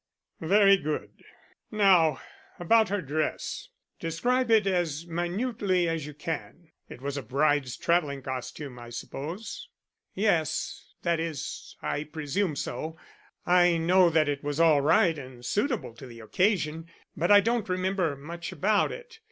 "Very good. Now about her dress. Describe it as minutely as you can. It was a bride's traveling costume, I suppose." "Yes. That is, I presume so. I know that it was all right and suitable to the occasion, but I don't remember much about it.